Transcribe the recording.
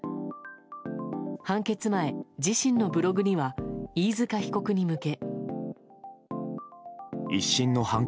判決前、自身のブログには飯塚被告に向け。